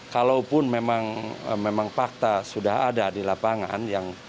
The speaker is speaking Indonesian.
kalaupun memang fakta sudah ada di lapangan